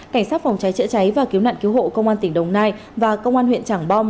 cảnh sát phòng cháy chữa cháy và cứu nạn cứu hộ công an tỉnh đồng nai và công an huyện trảng bom